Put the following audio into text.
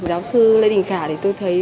giáo sư lê đình khả thì tôi thấy